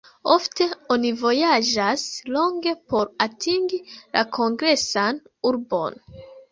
Ofte oni vojaĝas longe por atingi la kongresan urbon.